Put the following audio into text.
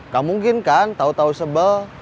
gak mungkin kan tau tau sebel